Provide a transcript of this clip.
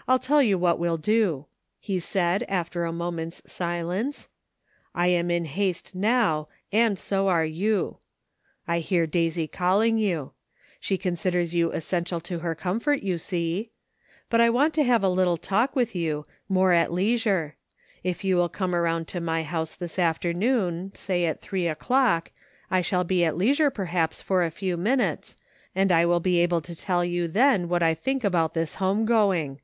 " I'll tell you what we'll do," he said after a moment's silence, " 1 am in haste now, and so are you ; I hear Daisy calling you ; she con siders you essential to her comfort, you see ; but I want to have a little talk with you, more at leisure ; if you will come round to my house this afternoon, say at three o'clock, I shall be at leisure, perhaps, for a few minutes, and I will be able to tell you then what I think about this home going.